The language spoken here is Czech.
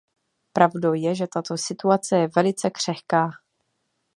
Pravdou je, že tato situace je velice křehká.